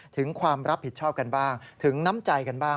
ถึงความรับผิดชอบกันบ้างถึงน้ำใจกันบ้าง